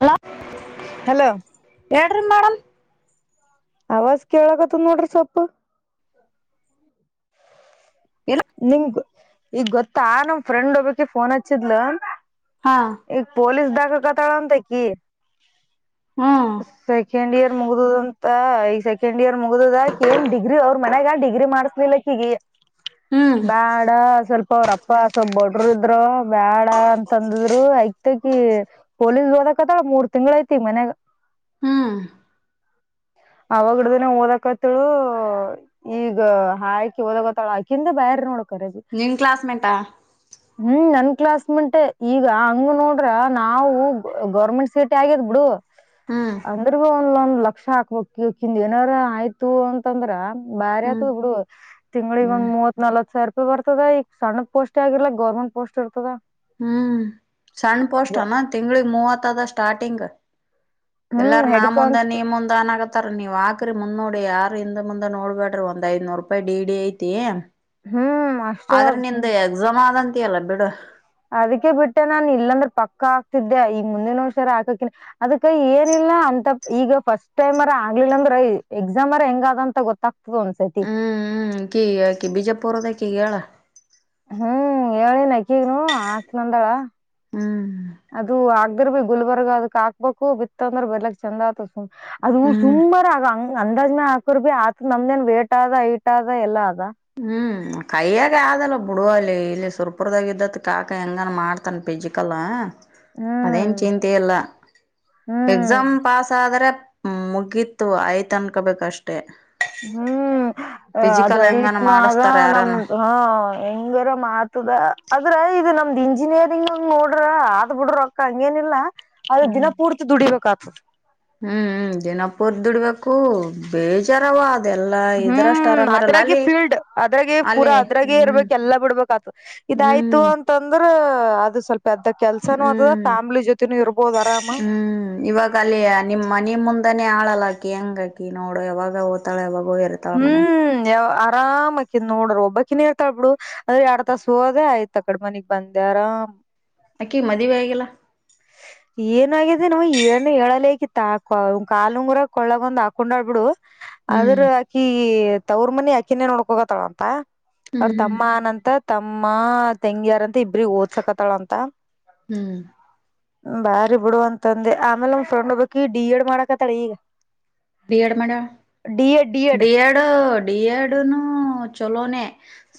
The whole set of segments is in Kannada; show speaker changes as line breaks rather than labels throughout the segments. ಹಲೋ
ಹಲೋ
ಹೇಳ್ರಿ ಮೇಡಮ್
ಅವಾಜ ಕೇಳಗತ್ತ ನೋಡ್ರಿ ಸೊಪ್ಪು
ಇಲ್ಲ
ನುಂಗ್ ಈಗ ಗೊತ್ತಾ ನಮ ಫ್ರೆಂಡ್ ಒಬ್ಬಕ್ಕಿ ಫೋನ್ ಹಚ್ಚಿದ್ಲ
ಹಾ
ಈ ಪೊಲೀಸ್ದಾಗ [inaudible]
ಹ್ಮ್
ಸೆಕೆಂಡ್ ಇಯರ್ ಮುಗದುದಂತ ಈಗ ಸೆಕೆಂಡ್ ಇಯರ್ ಮುಗುದದಾಕ ಏನ್ ಡಿಗ್ರಿ ಅವ್ರ ಮನ್ಯಾಗ ಡಿಗ್ರಿ ಮಾಡಿಸ್ಲಿಲ್ಲ ಹಾಕಿಕೆ
ಹ್ಮ್
ಬೇಡ ಸ್ವಲ್ಪ ಅವ್ರಪ್ಪ ಸ್ವ ಬಡರು ಇದ್ರ ಬ್ಯಾಡ ಅಂತಂದಿದ್ರು ಐಕ್ತಕಿ ಪೊಲೀಸ್ ಓದಕತ್ತಾಳ ಮೂರ್ ತಿಂಗಳ ಐತಿ ಮನ್ಗ
ಹ್ಮ್
ಅವಾಗಡ್ದನ ಓದಕತ್ತಳು ಈಗ ಹಾಕಿ ಓದಕತ್ತಾಳ ಆಕ ಬ ನೋ
ನಿನ್ ಕ್ಲಾಸ್ಮೇಟಾ
ಹ್ಮ್ ನ ಕ್ಲಾಸ್ ಮೆಂಟ್ ಈಗ ಹಂಗ ನೋಡ್ರ ನಾವು ಗೌರ್ಮೆಂಟ್ ಸೀಟ್ ಆಗಿದ್ ಬಿಡು
ಹ್ಮ್
ಅಂದ್ರ ಭವನ್ಲ್ಲಲ್ಲ ಲಕ್ಷ ಹಾಕ್ಬೇಕಕ್ ಕಿಿಂದ ಏನಾರ ಆಯ್ತು ಅಂತಂದ್ರ ಬಾರತ
ಹ್ಮ್
ಬಿಡುುವ ತಿಂಗಳಿಗೆಗ
ಹ್ಮ್
ಒಂದು ಮೂವತ್ ನಲ್ವತ್ ಸಾವರ ರೂಪಾಯಿ ಬರ್ದ ಈ ಸಣ್ಣ ಪೋಸ್ಟ್ ಆಗಿಿಲ್ಲ ಗವರ್ಮೆಂಟ್ ಪೋಸ್ಟ್ ಇರ್ತದ
ಹ್ಮ್ ಸಣ್ಣ ಪೋಷ್ಟನಾ ತಿಂಗಳಿಗೆ ಮೂವತ್ತ ಆದಷ್ಟ ಸ್ಟಾರಟಿಂಗ್
ಹ್ಮ್
ಎಲ್ಲಾರ ನಾ
ಹೆಡ್
ಮುಂದ
ಕಾನ್ಸ್ಟ್
ನೀ ಮುಂದ ಅನ್ಗತ್ತಾರ ನೀ ಆಕ್ರಿ ಮುಂದ್ ನೋಡಿ ಯಾರ ಅವ ಯಿಂದ ಮುಂದ ನೋಡ್ಬೇಡ್ರಿ ಒಂದ್ ಐ್ನೂರ್ ರೂಪಾಯಿ ಡಿ ಡಿ ಐತಿ
ಹ್ಮ್ ಅಷ್ಟೇ
ಆದ್ರೆ
ಅದ
ನಿಮ್ದು ಎಕ್ಸಾಮ್ ಆದಂತ ಅಲ್ಲ ಬಿಡು
ಅದಕ್ಕೆ ಬಿಟ್ಟೆ ನಾನ್ ಇಲ್ಲಂದ್ರ ಪಕ್ಕ ಆಗ್ತಿದ್ದೆ ಈಗ ಮುಂದಿನ ವರ್ಷರ ಹಾಕಕ ಅದಕೈ ಏನಿಲ್ಲ ಅಂತ ಈಗ ಫಸ್ಟ್ ಟೈಮ್ ಅರ ಆಗ್ಲಿಲ್ಲ ಅಂದ್ರ ಎಕ್ಸಾಮ್ರ ಹೆಂಗ ಅದ ಅಂತ ಗೊತ್ತಾಗ
ಹ್ಮ್ ಹ್ಮ್ ಬಿಜೆಪುರದೇಕ ಹೇಳಳ
ಹ್ಮ್ ಹೇಳಿ ನಕಿಗನು ಆಕ್ ನಂದಾಳ
ಹ್ಮ್
ಅದು ಆಗ್ದಿರ್ ಭ ಗುಲ್ಬರ್ಗ ಅದಕ್ ಹಾಕ್ಬೇಕು ಬಿತ್ತ ಅಂದ್ರ ಬರ್ಲಕ್ ಚಂದ ಆತ ಅದು
ಹ್ಮ್
ಸುಂಬರ ಅಂಗ ಅಂದಾಜ್ಮೇ ಹಾಕರ್ ಬಿ ಆತ ನಮ್ದೇನ್ ವೇಟ್ ಆದ ಐಟ್ ಆದದ ಎಲ್ಲ ಅದ
ಕೈಯ್ಯಾಗ ಆಗಲ್ಲ ಬಿಡುವಲ್ಲೆ ಇಲ್ಲಿ ಸುರ್ಪುರ್ದಾಗ ಇದ್ದತ್ ಕಾಕ ಹೆಂಗಾನ ಮಾಡ್ತಾನ ಪಿಜಿಕಲ್
ಹ್ಮ್
ಅದೇನ್ ಚಿಂತೆ ಇಲ್ಲ
ಹ್ಮ್
ಎಕ್ಸಾಮ್ ಪಾಸ್ ಆದ್ರೆ ಹ್ಮ್ ಮುಗಿತ್ತು ಆಯ್ತ ಅನ್ಕೋಬೇಕ ಅಷ್ಟು
ಹ್ಮ್
ಫಿಸಿಕಲ್ ಹೆಂಗನ
ಅದುಐಟ್ನು ಆದ
ಮಾಡಿಸ್ತಾರ
ಹ
ಯಾರನ
ನಮ್ದು ಹ ಹೆಂಗರ ಮಾತುದ ಆದದ್ರೆ ಇದು ನಮ ಒಂದ್ ಇಂಜಿನಿಯರಿಂಗ್ ನೋಡ್ರ ಆದ್ ಬಿಡ್ರ ಅಕ್ಕ ಹಂಗೇನಿಲ್ಲಾ ಆದ್ರೆ
ಹ್ಮ್
ದಿನ ಪೂರ್ತಿ ದುಡಿಬೇಕಾಗ್ತದೆ [inaudible]
ಹ್ಮ್ ದಿನಪುರ್ ದುಡ್ಬೇಕು ಬೇಜಾರಾವ
ಹ್ಮ್ ಅದ್ರಾಗೆ ಫೀಲ್ಡ್ ಅದ್ರಾಗೆ ಪೂರಾ
ಅಲ್ಲಿ
ಅದ್ರಾಗೇ
ಹ್ಮ್
ಇರ್ಬೇಕ ಎಲ್ಲಾ ಬಿಡ್ಬೇಕ ಆತ ಇದಾಯ್ತು
ಹ್ಮ್
ಅಂತಂದ್ರ ಅದು ಸ್ವಲ್ಪ ಅದ ಕೆಲ್ಸನೂ ಆತದ
ಹ್ಮ್
ಫ್ಯಾಮ್ಲಿ ಜೊತೆನೂ ಇರ್ಬೋದ್ ಆರಾಮ
ಹ್ಮ್ ಇವಾಗ ಅಲ್ಲಿ ನಿಮ್ ಮನ ಮುಂದಾನೇ ಹಾಳಲ್ಲ ಅಕಿ ಹೆಂಗ ಹಾಕಿ ನೋಡು ಯಾವಾಗ ಹಓತಾಳ ಯಾವಾಗ
ಹ್ಮ್ ಯವ್ವ ಆರಾಮಕಿನ್ ನೋಡ್ರ ಒಬ್ಬಕಿನ್ ನೀರ್ತಾಳ್ಬ ಬಿಡು ಅಂದ್ರೆ ಎರಡ್ ತಾಸ ಹೋದೆ ಆಯ್ತ ಆ ಕಡ ಮನಿಗ್ ಬಂದೆ ಆರಾಮ್
ಹಕ್ಕಿ ಮದ ವಗಲ್ಲ
ಏನಾಗಿದೆ ನಾ ಏನ್ ಹೇಳಲಕಿ ಕಾಲುಂಗರ ಕೊಳ್ಳಗೊಂದ್ ಹಾಕೊಂಡ ಆಡ್ಬಿಡು.
ಹ್ಮ್
ಆದ್ರು ಹಾಕಿ ತವ್ರ ಮನಿ ಆಕಿನೇ ನೋಡ್ಕ ಹೋಗತಳ ಅಂತ. ಅವ್ರ
ಹ್ಮ್ ಹ್ಮ್
ತಮ್ಮ ಅನಂತ ತಮ್ಮ ತಂಗಿರ ಮ ಇಬ್ರ ಓದ್ಸಕತ್ತಾಳ ಅಂತ.
ಹ್ಮ್
ಬಾರಿ ಬಿಡು ಅಂತಂದೆ ಆಮೇಲೆ ಒಮ್ ಫ್ರೆಂಡ್ ಹೋಗಬಕಿ ಡಿ ಎಡ್ ಮಾಡಕತ್ತಾಳ ಈಗ.
ಡಿ ಎಡ್ ಮಾಡ್ಯಾ ಡಿ ಎಡ್ ಡಿ ಎಡ್ನು ಚಲೋನನೆ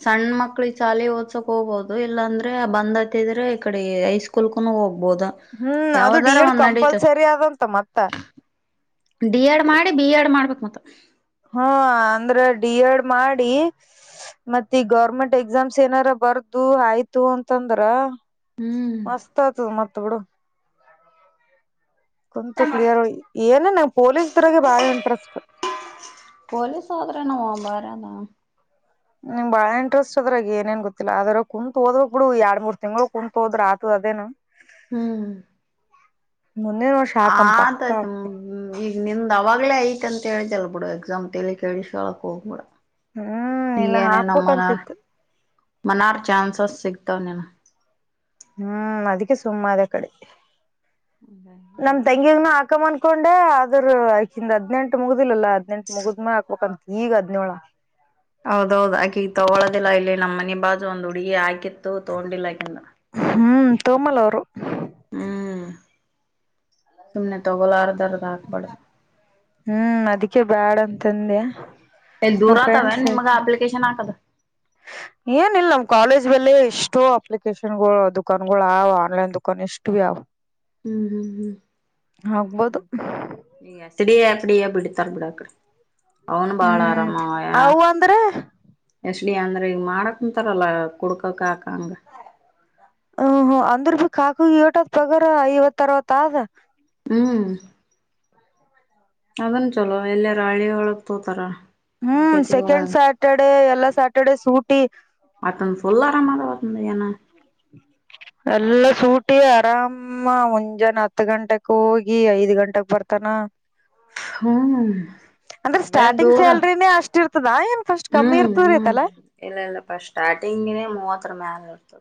ಸಣ್ಣ ಮಕ್ಳ ಚಾಲೆ ಓದಸಕ್ ಹೋಗ್ಬಹುದು ಇಲ್ಲಾ ಅಂದ್ರೆ ಬಂದ್ತಿದ್ರೆ ಈ ಕಡೆ ಹೈಸ್ಕೂಲ್ ಕುನು ಹೋಗಬಹುದು.
ಹ್ಮ್ ಅದು ಡಿ ಎಡ್ ಕಂಪಲ್ಸರಿ ಆದಂತ ಮತ್ತ
ಬಿ ಎಡ್ ಮಾಡಿ ಬಿ ಎಡ್ ಮಾಡ್ಬೇಕು ಮತ್ತ
ಹಾ ಅಂದ್ರ ಡಿ ಎಡ್ ಮಾಡಿ ಮತೆ ಈಗ ಗೌರ್ಮೆಂಟ್ ಎಕ್ಸಾಮ್ಸ್ ಏನಾರ ಬರ್ದು ಆಯ್ತು ಅಂತಂದ್ರ.
ಹ್ಮ್
ಮಸ್ತ ಅದು ಮಾ ಬಿಡು ಕುಂತು ಕ್ಲಿಯರ್ ಏನ ನ ಪೊಲೀಸ್ ದ್ರಗೆ ಬಾಳ ಇಂಟ್ರೆಸ್ಟ್
ಹಾ
ನಿ ಬಾಳ ಇಂಟ್ರೆಸ್ಟ್ ಅದ್ರಾಗ ಏನೇನ್ ಗೊತ್ತಿಲ್ಲ ಅದ್ರಾಗ ಕುಂತತ್ ಹೋದೋಗ್ ಬಿಡು, ಎರಡ್ ಮೂರ್ ತಿಂಗಳ ಕುಂತ್ ಹೋದ್ರೆ ಆಯ್ತು ಅದೇನು? ಮುಂದಿನ ವರ್ಷ ಹಾಕಂ ಪಕ್ಕ
ಆತಾಹಯ್ತು
ಹಾಕ್ತೀನಿ
ಈಗ ನಿಂದ ಅವಾಗ್ಲೇ ಐತ್ ಅಂತ ಹೇಳಿದಲ್ಲ ಬಿಡು ಎಕ್ಸಾಮ್ ತಲಿ ಕೇಳಿಸಿಕೋಳೋಕೆ ಹೋಗಬೇಡ.
ಹ್ಮ್ ಇಲ್ಲ
ಈಗೇನೇ ನ ಮನಾರ್
ಹಾಕ್ಬೇಕಂತಿತ್ತು
ಮನಾರ್ ಚಾನ್ಸಸ್ ಸಿಗ್ತಾವನೇನು
ಹ್ಮ್ ಅದಕ್ಕೆ ಸುಮ್ಮ ಅದ ಕಡೆ ನಮ ತಂಗಾಗನು ಆ ಮಂದಕೊಂಡೆ ಆದದ್ರ ಆಕಿಂದ ಹಾದಿನೆಂಟು ಮುಗ್ದಿಲ್ಲಲ್ಲಾ ಹದ್ನೆಂಟ್ ಮುಗಿದ್ಮೇ ಹಾಕ್ಬೇಕಕ್ಂತ ಈಗ ಹದ್ನೋಳ.
ಹೌದೌದು, ಆಕೆ ಈಗ ತಗೊಳೋದಿಲ್ಲ ಇಲ್ಲಿ ನಮ್ ಮನೆ ಬಾಜು ಒಂದು ಹುಡುಗಿ ಹಾಕಿತ್ತು ತಗೊಂಡಿಲ್ಲಹಾಕಿದು.
ಹ್ಮ್ ತೋಮಲೋರು
ಹ್ಮ್ ಸುಮ್ನೆ ತಗೋಲಾರ್ದರ ಆಕ್ಬಡ್
ಬ್ಯಾದಂತಂದೆ
ದೂರ
ನಮ್ ಫ್ರೆಂಡ್ಸ್
ಆತಾವೇನ್
ಏ
ನಿಮ್ಗ ಅಪ್ಲಿಕೇಶನ್ ಹಾಕದು
ಏನಿಲ್ಲ ನಮ್ ಕಾಲೇಜ್ ಮೇಲೆ ಎಷ್ಟು ಅಪ್ಲಿಕೇಶನ್ಗಳು ದುಕಾನ್ಗಳು ಅವ ಆನ್ಲೈನ್ ದುಕಾನ್ ಎಷ್ಟು ಬಿ ಅವ
ಹ್ಮ್ ಹ್ಮ್
ಆಗ್ಬೋದು
ಹ್ಮ್ ಅತಡಿ ಡಿಯ [unintelligible] [inaudible] ಬಿಡ್ತಾರ್ ಬಿಡಾಕಡೆ
ಹ್ಮ್ ಅವು ಅಂದ್ರೆ
ಇ ಅಂದ್ರೆ ಈಗ ಮಾಡಕ್ಂತಾರಲ್ಲ ಕುಡ್ಕಕ್ ಆಕಂಗ
ಹು ಹು ಅಂದ್ರ ಭ ಕಾಕ ಏಟದ ಪಗಾರ ಐವತ್ತರವತ್ತಾದ
ಹ್ಮ್ ಅದನ್ ಚಲೋ ಇಲ್ಯಾರ ಹಳ್ಳಿ ಯೊಳಗ್ ಕೂತರ
ಹ್ಮ್ ಸೆಕೆಂಡ್ ಸ್ಯಾಟರ್ಡೆ ಎಲ್ಲಾ ಸ್ಯಾಟರ್ಡೆ ಸೂಟಿ
ಯಾನ
ಎಲ್ಲ ಸೂಟಿ ಆರಾಮ ಮುಂಜಾನೆ ಹತ್ತು ಗಂಟೆಕ್ ಹೋಗಿ ಐದ್ ಗಂಟಕ್ ಬರ್ತಾನ
ಹ್ಮ್
ಅಂದ್ರೆ
ಅದೇ
ಸ್ಟಾರ್ಟಿಂಗ್
ದೂರ
ಸ್ಯಾಲ್ರಿನೇ ಅಷ್ಟಿರ್ತ
ಹ್ಮ್ ಹ್ಮ್ ಇಲ್ಲ ಇಲ್ಲಪ್ಪ ಸ್ಟಾರ್ಟಿಂಗಿನ ಮೂವತ್ತರ ಮ್ಯಾಲ ತ್ತ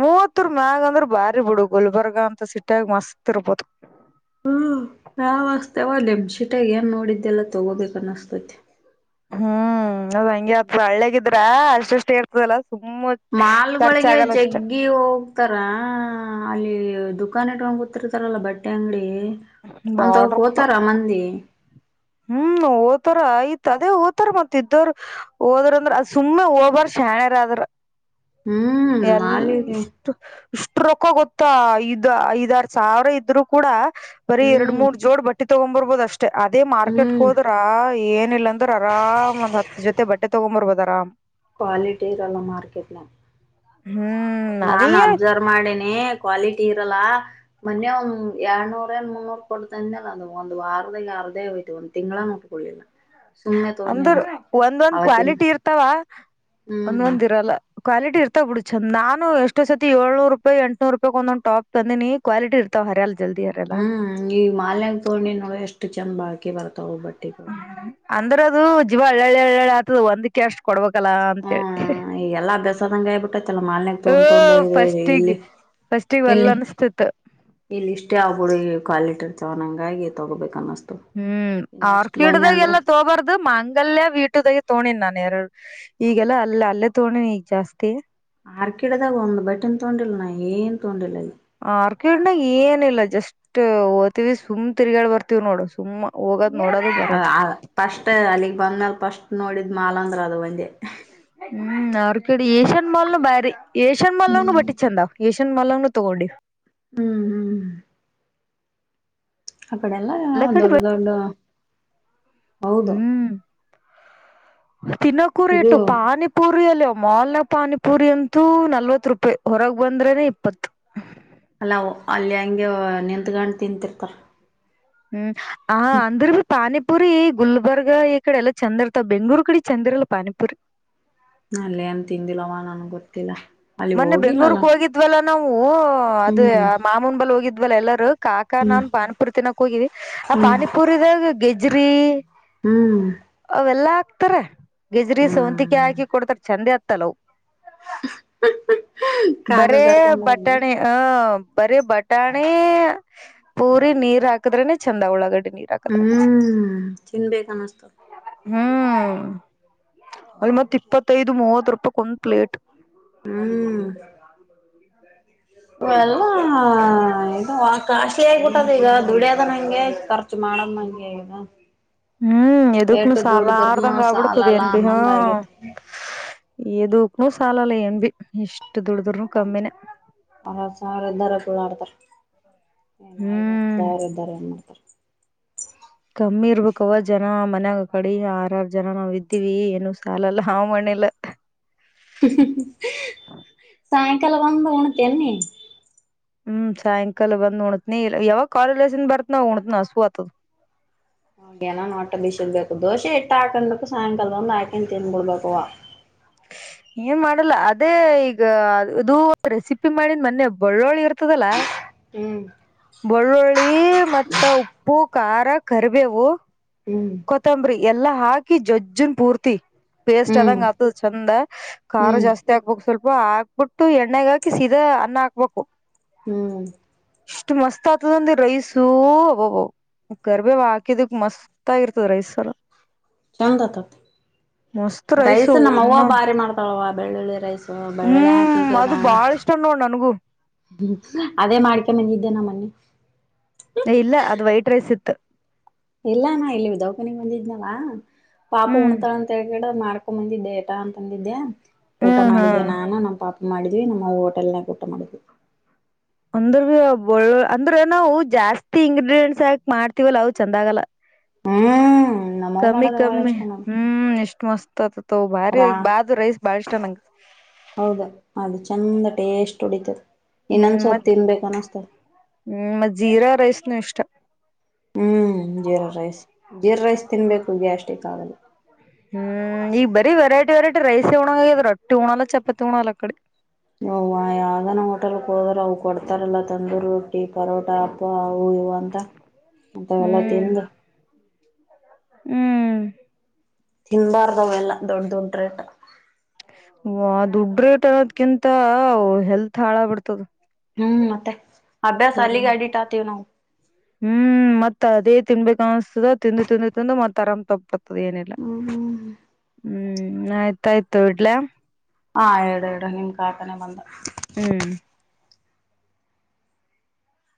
ಮೂವತ್ತುರ್ಮ್ಯಾಗ ಅಂದ್ರ ಬಾರಿ ಬಿಡು ಗುಲ್ಬರ್ಗ ಅಂತ ಸಿಟ್ಯಾಗ ಮಸ್ತಿರ್ರ್ಬೋದು
ಹ್ಮ ನಾವಸ್ತವ ನೆಮ್ಮ ಶೀಟಾಗಿ ಏನ್ ನೋಡಿದ್ದೆಲ್ಲ ತಗೋಬೇಕ ಅನ್ನಸ್ತತಿ
ಹ್ಮ್ ಹ್ ಹಂಗೆ ಅತ್ರ ಹಳ್ಳೇಗಿದ್ರ ಅ ಎಷ್ಟೇರ್ತದಲ್ಲಾ
ಮಾಲ್ಗಳಿಗೆ ಜಗ್ಗಿ ಹೋಗ್ತಾರಾ ಅಲ್ಲಿ ದುಕಾನ್ ಇಟ್ಕಂಕುತಿರ್ತಾರಲ್ಲ ಬಟ್ಟೆ ಅಂಗ್ಡಿ
ಬಾಳ್
ಅಂತವ್ಕ್
ರೊಕ್ಕ
ಹೋತಾರ ಮಂದಿ
ಹ್ಮ್ ಓತಾರ ಆಯ್ತ್ ಅದೇ ಓತರ ಮತ್ ಇದ್ದೋರು ಓದ್ರಂದ್ರ ಅ ಸುಮ್ಮನೆ ಓಬಾರ ಶ್ಯಣ್ಯಾರಾದ್ರ
ಹ್ಮ್
ಎಲ್
ಮಾಲಿಗೆ
ಇಷ್ಟು ಇಷ್ಟು ರೊಕ್ಕ ಗೊತ್ತು ಮ ಇದು ಐದಾರು ಸಾವಿರ ಇದ್ರು ಕೂಡ ಬರಿೀ ಎರಡ್
ಹ್ಮ್
ಮೂರ್ ಜೋಡ್ ಬಟ್ಟಿ ತೊಗೊಂಬರ್ ದ ಅಷ್ಟೇ ಅದೇ ಮಾಡ
ಹ್ಮ್
ಕಟ್ಕೋದ್ರಾ ಏನ್ ನಲ್ಲ ರ ಆರಾಮ್ ಒಂದ ಹತ್ ಜೊತೆ ಬಟ್ಟೆ ತಗೊಂಬರ್ಬದ್ ದರಾಮ
ಕ್ವಾಲಿಟಿ ಇರಲ್ಲ ಮಾರ್ಕೆಟ್ ನ
ಹ್ಮ್
ನಾ
ಅದೇ
ಅಬ್ಸರ್ವ್ ಮಾಡೇನಿ ಕ್ವಾಲಿಟಿ ಇರಲ್ಲಾ ಮನ್ನೆ ಒಂದ್ ಎರಡ್ನೂರಿಂದ್ ಮುನ್ನೂರ್ ಕೊಡ್ತಂದ್ನೇಲ್ಲದು ಒಂದ್ವಾರ್ದಾಗ್ ವಾರದಾಗ ಆರ್ದೆ ಓಯ್ತು ಒಂತಿಂಗ್ಳ ಉಟ್ಕೊಳಿಲ್ಲ
ಅಂದ್ರ ಒಂದೊಂದ್ ಕ್ವಾಲಿಟಿ ಇರ್ತಾವ
ಹ್ಮ್
ಒಂದೊಂದ್ ಇರಲ್ಲ. ಕ್ವಲಿಟಿ ಇರ್ತವ್ ಬಿದು ಚಂದ, ನಾನು ಎಷ್ಟೋ ಸತಿ ಏಳ್ನೂರು ರೂಪಾಯ್ ಎಂಟ್ನೂರ್ ರೂಪಾಯ್ ಒಂದೊಂದು ಟಪ್ ತಂದಿನಿ ಕ್ವಲಿಟಿ ಇರ್
ಹ್ಮ್ ಈಗ್ ಮಾಲ್ಯಾಗ್ ತೊಂಗ್ಡಿನ ಎಷ್ಟ ಚಂದ್ ಬಾಳ್ ಕೆ ಬರ್ ತಾವು ಬಟ್ಟೆ ಕೊ.
ಅಂದ್ರ ಅದು ಜೀವ ಹಳ್ಳಳ್ಳಿ ಹಳ್ಳಳ್ಳಿ ಆತದ ಒಂದಕ್ಕೆ ಅಷ್ಟ
ಹಾ ಈ ಎಲ್ಲಾ ಅಭ್ಯಾಸದಂಗ ಆಯ್ಬಿಟ್ಟೈತಲ್ಲ ಮಾಲ್ನ್ಯಾಗ
ಓ
ತೊಗೊಂಡ್ ತೊಂಡು ಇ
ಫಸ್ಟಿಗೆ
ಇಲ್ಲಿ
ಫಸ್ಟಿಗೆ ಒಲ್
ಎಲ್ಲಿ
ಅನ್ಸ್ತಿತ್ತು
ಇಲ್ಲಿ ಇಷ್ಟೇ ಆಬಿಡು ಈ ಕ್ವಾಲಿಟಿರ್ತವ ಅಂಗಾಗಿ. ತಗೋಬೇಕ್ ಅನ್ಸ್
ಹ್ಮ್ ಆರ್ಕಿಡ್ದಾಗ್ ಎಲ್ಲಾ ತೋಬಾರ್ದು ಮಾಂಗಲ್ಯ ವೀಟದಾಗ ತಗೊಂಡಿನ್ ನಾನು ನೆರಳ್ ಈಗೆಲ್ಲ ಅಲ್ಲ ಅಲ್ಲೇ ತಗೊಂಡಿನಿ ಈಗ್ ಜಾಸ್ತಿ.
ಆರ್ಕಿಡ್ದಾಗ ಒನ್ ಬಟೆನ್ ತಗೊಂಡಿಲ್ಲ ನಾ ಏನ್ ತಗೊಂಡಿಲ್ಲ. ಅಲ್ಲಿ
ಆರ್ಕಿಡ್ನಾಗ ಏನಿಲ್ಲ ಜಸ್ಟ್ ಓತೀವಿ ಸುಮ್ ತಿರ್ಗಾಡ್ ಬರ್ತಿವ್ ನೋಡು ಸುಮ್ಮ್ ಹೋಗದ್
ಅ ಅವ್ ಪಸ್ಟ್ ಅಲ್ಲಿಗ್ ಬಂದ್ಮೇಲ್ ಫಸ್ಟ್ ನೋಡಿದ್ ಮಾಲ್ ಅಂದ್ರ ಅದ್ವಂದೆ.
[unintelligible] ಹ್ಮ್ ಆರ್ಕೆಡ್ ಏಷ್ಯನ್ ಮಾಲ್ಲು ಭಾರಿ. ಏಷಿಯನ್ ಮಾಲ್ನಾವು ಬಟ್ಟೆ ಚಂದ್ ಅದಾವ್ ಏಶ್ ಏನ್ ಮಲ್ಗ್ನು ತಗೊಂಡಿ.
ಹ್ಮ್ ಹ್ಮ್ ಆ ಕಡೆ ಎಲ್ಲಾ
ಎಲ್ಲ ಕಡೆ
ದೊಡ್ ದೊಡ್.
ಹ್ಮ್ ತಿನಕ್ಕೂ
ಇದು
ರೆಟು ಪಾನಿಪೂರಿ ಅಲ್ಲ ಅಬ್ ಮಾಲ್ನಗ್ ಪಾನಿಪುರಿ ಅಂತೂ ನಲ್ವತೃಪಾಯಿ ಹೊರಗ್ಬಂದ್ರನೆ ಇಪ್ಪತ್ತು
ಅಲ್ನಾವು ಅಲ್ಯಾಂಗ್ಯೊ ನಿಂತ್ಕಂಡ್ ತಿಂತಿರ್ತಾರ್.
ಹ್ಮ್ ಹಾ ಹಾ ಅಂದ್ರ್ ಬಿ ಪಾನಿ ಪುರಿ ಗುಲ್ಬರ್ಗ ಈ ಕಡೆ ಎಲ್ಲ ಚಂದ್ ಇರ್ತಾವ್ ಬೆಂಗ್ಳೂರ್ ಕಡೆ ಚಂದ್ ಇರಲ್ಲ ಪಾನಿಪುರಿ.
ಅಲ್ಲ ಏನ್ ತಿಂದಿಲ್ಲವ ನನ್ಗ್ ಗೊತ್ತಿಲ್ಲ. ಅಲ್ಲಿ
ಮೊನ್ನೆ
ಹೋಗಿಲ್ಲಲ್ಲ
ಬೆಂಗ್ಳೂರ್ಕ್ ಹೋಗಿದ್ವಲ್ಲ ನಾವು ಅದ್
ಹ್ಮ್
ಮಾಮೂನ್ ಬಲ್ ಹೋಗಿದ್ ವಲ್ ಎಲ್ಲರೂ. ಕಾಕ ನಾನ್ ಪಾನಿಪುರಿ ತಿನ್ನಕ್ ಹೋಗಿವಿ ಆ
ಹ್ಮ್
ಪಾನಿಪುರಿದಾಗ ಗೆಜ್ರಿ
ಹ್ಮ್
ಅವೆಲ್ಲಾ ಉತ್ತರ ಗೆಜ್ರಿ ಸವಂತಿಕಿ
ಹ್ಮ್
ಹಾಕಿ ಕೊಡ್ತಾರೆ ಚಂದೆತ ತಲೋವ್
[unintelligible] ಕಾಗ
ಬರೇ
ಕರ್ಕೊಂಡ
ಬಟಾಣೆ ಹ. ಬರೀ ಬಟಾಣಿ ಪೂರಿ ನೀರ್ ಹಾಕದ್ರನೆ ಚಂದ ಒಳಗಡೆ.
ಹ್ಮ್ ತಿನ್ಬೇಕ ಅನ್ನಸ್ತ.
ಹ್ಮ್. ಅಲ್ ಮತ್ ಇಪ್ಪತ್ತೈದು ಮೂವತ್ತು. ರೂಪಕ್ ಒಂದು ಪ್ಲೇಟ್
ಹ್ಮ್ ಎಲ್ಲ ಹಾದು [unintelligible] ಕಾಶಿ ಆಗಿಬಿಟ್ಟದ ಈಗ ದುಡಿಯದ ಹಂಗೆ ಖರ್ಚು ಮಾಡದ್ ನಂಗೆ ಈಗ
ಹ್ಮ್ ಎದುಕ್ಕನ
ಎಟ್ಟು
ಸಾಲ ಆರ್್ದಂ
ದುಡ್ದರ್ನು
ಕ ಆಬಡ್ತದೆ
ಸಾಲಲ್ಲ
ಎನ್ ಬಿ ಹ
ಅನ್ನಂಗ ಆಗೇತಿ
ದಕ್ನು ಸಾಲಲ್ಲ ಏನ್ [unintelligible] ಭ ಇಷ್ಟು ದುಡ್ದರ್ನು ಕಮ್ಮಿನೇ
ಅವರ ಸ್ರ ಇದ್ದಾರ ಕಳ್ಳ ಆಡ್ [unintelligible] ಏನ್ ಐದ್ ಹತ್ತು
ಹ್ಮ್
ಸಾವಿರ ಇದ್ದಾರ ಏನ್ ಮಾಡ್ತಾರ ಹ [unintelligible]
ಕಮ್ಮಿ ಇರ್ಬೇಕ ಅವವ ಜನ ಮನ್ಯಾಗ ಕಡಿ ಆರ ಆರ್ ಜನ ನಾವ್ ಇದ್ದೀವಿ ಏನು ಸಾಲಲ್ಲ ಹ್ ಮಣಲ
[unintelligible] ಲ್ಲ ಒ್ಂದ ಉಣತ ಅಿ
ಹ್ಮ್ ಸಾಯಂಕಾಲ ಬಂದ್ ಉಣತ್ನಿ ಇ ಯಾವಾಗ ಕಾಲಜಸನ್ ಬರ್ತ್ನಾವ ಉಣತ್ನ ಹಸು ಆತದ
ಹ ನ ನೋಟ ಭಿ ಸಗ ದೋಸೆ ಇಟ್ಟು ಹಾಕು ಸಾಯಂಕಾಲದ ಒಂದಂದು ಹಾಕಿ ತಿನ್ಬಿಡ್ಬೇಕುುವ
ನ್ ಮಾಡಲ್ಲ ಅದೇ ಈಗ ಇದು ರೆಸಿಪಿ ಮಾಡಿದ ಮೊನ್ನೆ ಬಳ್ಳೋಳ್ಳಿ ಇರ್ತದಲ್ಲಾ
ಹ್ಮ್
ಬೆಳ್ಳುಳ್ಳಿ ಮತ್ತ ಉಪ್ಪು ಖಾರ ಕರಿಬೇವು
ಹ್ಮ್
ಕೊತ್ತಂಬರಿ ಎಲ್ಲಾ ಹಾಕಿ ಜಜ್ಜನ್ ಪೂರ್ತಿ ಪೇಸ್ಟ್
ಹ್ಮ್
ಅದಂಗ ಆತದ ಚಂದ ಖಾರ
ಹ್ಮ್
ಜಾಸ್ತಿ ಆಗ್ಬೇಕಕ್ ಸ್ವಲ್ಪ ಹಾಕ್ಬಿಟ್ಟು ಎಣ್ಣಗೆ ಹಾಕಿ ಸೀದಾ ಅನ್ನ ಹಾಕ್ಬೇಕು
ಹ್ಮ್
ಇಷ್ಟು ಮಸ್ತ್ ಆತದ ಅಂದ ರೈಸೂ ಅಬಬ ಗರ್ಬೆ ಹಾಕಿದಕ್ ಮಸ್ತ್ ತ್ತಾಗಿರ್ತದೆ ರೈಸರು [unintelligible]
ಚಂದ ಆತತಿ
ಮಸ್ತ್ ರೈಸು
ರೈಸ್ ನಮ್ಮವ
ಇನ್ನ
ಭಾರಿ ಮಾಡ್ತಾಳವ ಬೆಳ್ಳುಳ್ಳಿ ರೈಸ ಬೆಳ್ಳುಳ್ಳಿ
ಹ್ಮ್
ಹಾಕಗದ
ಅದು
[unintelligible]
ಬಾಳ ಇಷ್ಟ ನೋಡ್ ನನ್ಗೂ
ಹ್ಮ ಅದೇ ಮಾಡ್ಕೋಬಂದಿದು ನ ಮನ್ನಿ
ಇಲ್ಲ ಅದು ವೈಟ್ ರೈಸ್ ಇತ್ತು
ಇಲ್ಲಾನಾ ಇಲ್ಲಿ ಉ ದೌಕನಿಗ್ ಬಂದಿದ್ನವ ಪಾಪ
ಹ್ಮ್
ಉಣ್ತಾ ಅಂತ ಹೇಳ್ಕಡ ಮ ಮಾಡ್ಕ ಹಾಕೊಂಬಂದಿದ್ದೆ ಏಟ ಅಂತ ಅಂದಿದ್ದೆ. ಊಟ
ಹ್ಮ್ ಹಾ
ಮಾಡಿದ್ದೇ ನಾನ ನಮ್ಮ ಪಾಪ ಮಾಡಿದ್ವಿ ನಮ್ಮ ಹೋಟೆಲ್ನ ಊಟ ಮಾಡಿದ್ವಿ.
ಅಂದ್ರ ಬಳ್ಳು ಅಂದ್ರೆ ನಾವು ಜಾಸ್ತಿ ಇಂಗ್ರಿಡಿಯೆಂಟ್ಸ್ ಯಾಕ ಮಾಡ್ತಿವಲ್ಲ ಅವು ಚಂದ ಆಗಲ್ಲ.
ಹ್ಮ್ ನಮ್ಮವು
ಕಮ್ಮಿ
ಮಾಡೋದ ಬಾಳ
ಕಮ್ಮಿ
ಇಷ್ಟ ನಮ್
ಹ್ಮ್ ಎಷ್ಟ್ ಮಸ್ತ್ ಆತತ್ ಭಾರಿ
ರಾ
ಬಾದ ರೈಸ್ ಬಾಳ ಇಷ್ಟ ನಂಗ
ತುಡಿತ
ಹ್ಮ್ ಮತ್ತ ಹ್ಮ್ ಮತ್ತ ಜೀರಾ ರೈಸ್ ನೆಸ್ಟ್
ಹ್ಮ್ ಜೀರಾ ರೈಸ್ ಜೀರ್ ರೈಸ್ ತಿನ್ಬೇಕು ಗ್ಯಾಸ್ಕ್ ಆಗಲ್ಲ
ಹ್ಮ್ ಈಗ ಬರಿ ವರೈಟಿ ವೆರೈಟಿ ರೈಸ ಉಣಂಗಗಿದ್ರರು ರಟ್ಟಿ ಉಣಲ್ಲ ಚಪಾತಿ ಉಣಲ್ಲ ಆ ಕಡೆ
ಹಓ್ ಯಾವ್ದ ನ ಹೋಟೆಲ್ ಹೋದರು ಅವ ಕೊಡ್ತಾರಲ್ಲ ತಂದರು ರೊಟ್ಟಿ ಪರೋಟಾ ಹಪ್ಪಲ ಅ ಇವು ಅಂತ ಅಂತವೆೆಲ್ಲಾ
ಹ್ಮ್
ತಿಂದು
ಹ್ಮ್
ತಿನ್ಬಾರ್ದ್ಲ್ಲಾ ದೊಡ್ಡ ದದುಟ್ರೆಟ
ವ ದುಡ್ಡ ರೇಟ್ ಅರೋದ್ಕಿಂತ ಹೆಲ್ತ್ ಹಾಳ ಬಿಡ್ತದ
ಹ್ಮ್ ಮತ್ತೆ ಅಭ್ಯಾಸ ಅಲ್ಲಿಗೆ ಅಡಿಟ್ ಆಗ್ತೀವಿ ನಾವು
ಹ್ಮ್ ಮತ್ ಅದೇ ತಿನ್ಬೇಕು ಅನ್ಸ್ತದ ತಿಂದು ತಿಂದು ತಿಂದು ಮತ್ತ ಆರಾಮ್ ತಪ್ಪ ಬರ್ತದ ಏನಿಲ್ಲ
ಹ್ಮ್ ಹ್ಮ್
ಹ್ಮ್ ಆಯ್ತಾಯ್ತು ಇಡ್ಲೆ
ಹಾ ಎಡು ಎಡು ನಿಮ್ ಕಾತಾನೆ ಬಂದ
ಹ್ಮ್